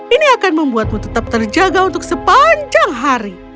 ini akan membuatmu tetap terjaga untuk sepanjang hari